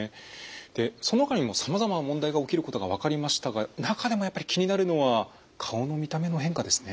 でそのほかにもさまざまな問題が起きることが分かりましたが中でもやっぱり気になるのは顔の見た目の変化ですね。